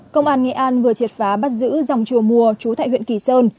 công an nghệ an vừa triệt phá bắt giữ dòng chùa mùa trú tại huyện kỳ sơn